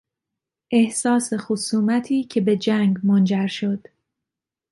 احساس خصومتی که به جنگ منجر شد